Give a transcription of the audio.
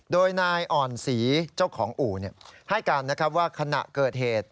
โดยนายอ่อนศรีเจ้าของอู่ให้การว่าขณะเกิดเหตุ